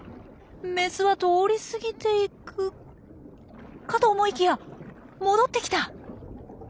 メスは通り過ぎて行くかと思いきや戻ってきた！